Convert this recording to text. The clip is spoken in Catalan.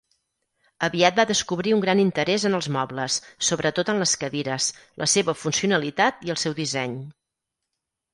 Aviat va descobrir un gran interès en els mobles, sobretot en les cadires, la seva funcionalitat i el seu disseny.